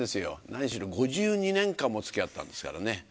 何しろ５２年間もつきあったんですからね。